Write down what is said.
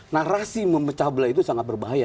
narasi memecah belah itu sangat berbahaya